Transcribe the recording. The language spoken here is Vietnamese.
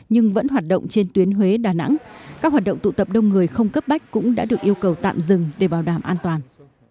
nhưng vẫn hoạt động trên tuyến huế đà nẵng các hoạt động tụ tập đông người không cấp bách cũng đã được yêu cầu tạm dừng để bảo đảm an toàn